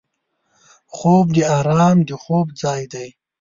خوب د آرام د خوب ځای دی